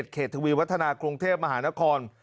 ทวีวัฒนากรุงเทพมหานคร